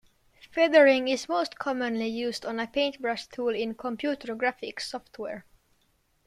Feathering is most commonly used on a paintbrush tool in computer graphics software.